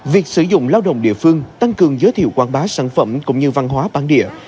việc sử dụng lao động địa phương tăng cường giới thiệu quảng bá sản phẩm cũng như văn hóa bản địa